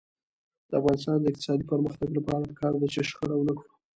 د افغانستان د اقتصادي پرمختګ لپاره پکار ده چې شخړه ونکړو.